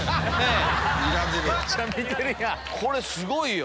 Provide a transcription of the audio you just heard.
これすごいよ。